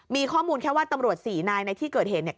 มีข้อมูลแค่ว่าตำรวจสี่นายในที่เกิดเหตุเนี่ย